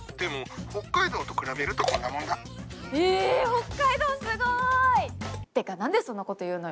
北海道すごい！てか何でそんなこと言うのよ！